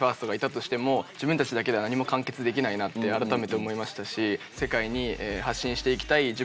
ＢＥ：ＦＩＲＳＴがいたとしても自分たちだけでは何も完結できないなって改めて思いましたし世界に発信していきたい